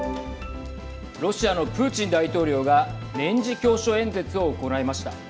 ロシアのプーチン大統領が年次教書演説を行いました。